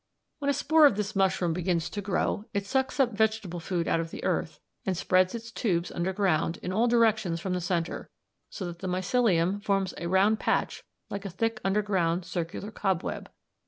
When a spore of this mushroom begins to grow, it sucks up vegetable food out of the earth and spreads its tubes underground, in all directions from the centre, so that the mycelium forms a round patch like a thick underground circular cobweb.